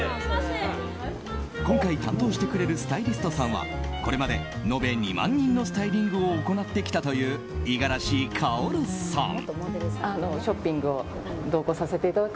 今回、担当してくれるスタイリストさんはこれまで延べ２万人のスタイリングを行ってきたという五十嵐かほるさん。